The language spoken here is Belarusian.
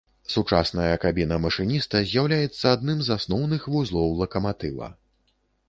Сучасная кабіна машыніста з'яўляецца адным з асноўных вузлоў лакаматыва.